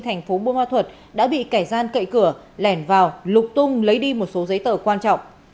thành phố mùa ma thuật đã bị cải gian cậy cửa lèn vào lục tung lấy đi một số giấy tờ quan trọng